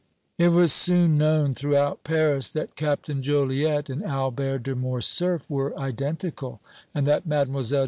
It was soon known throughout Paris that Captain Joliette and Albert de Morcerf were identical, and that Mlle.